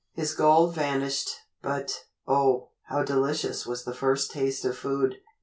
His gold vanished, but, oh, how delicious was the first taste of food.